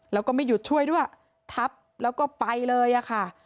แล้วก็ไม่หยุดช่วยด้วยทับแล้วก็ไปเลยอะค่ะ